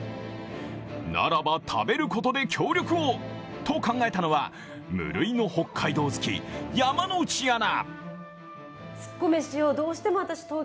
ならば、食べることで協力を！と考えたのは無類の北海道好き・山内アナ。